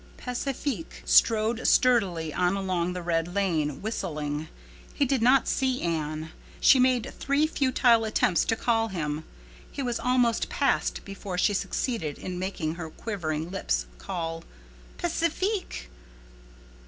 Pacifique strode sturdily on along the red lane, whistling. He did not see Anne. She made three futile attempts to call him. He was almost past before she succeeded in making her quivering lips call, "Pacifique!"